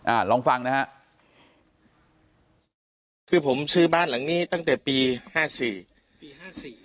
ลองฟังนะฮะคือผมซื้อบ้านหลังนี้ตั้งแต่ปีห้าสี่ปีห้าสี่